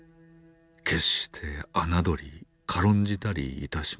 決してあなどり軽んじたりいたしません。